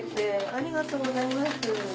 ありがとうございます。